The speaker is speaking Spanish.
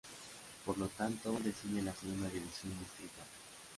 Por lo tanto, desciende a la Segunda División Distrital.